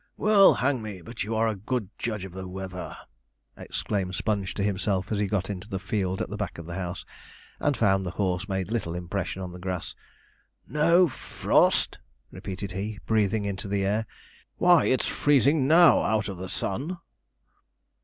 'Well, hang me, but you are a good judge of weather,' exclaimed Sponge to himself, as he got into the field at the back of the house, and found the horse made little impression on the grass. 'No frost!' repeated he, breathing into the air; 'why it's freezing now, out of the sun.'